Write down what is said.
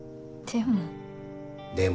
でも。